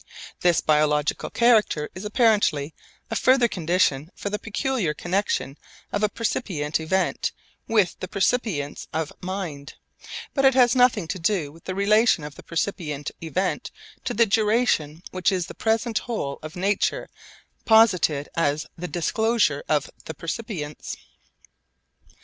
This biological character is apparently a further condition for the peculiar connexion of a percipient event with the percipience of mind; but it has nothing to do with the relation of the percipient event to the duration which is the present whole of nature posited as the disclosure of the percipience.